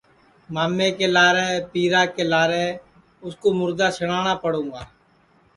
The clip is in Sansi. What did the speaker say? مامے کے لارے پیرا کے لارے اُس کوُ مُردا سِڑاٹؔا پڑوںگا